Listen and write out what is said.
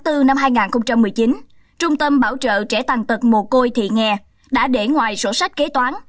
năm hai nghìn một mươi chín trung tâm bảo trợ trẻ tàn tật mồ côi thị nghè đã để ngoài sổ sách kế toán